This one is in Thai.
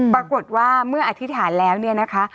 ปรากฏว่าเมื่ออธิษฐานแล้วเนี่ยนะคะ